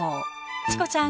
チコちゃん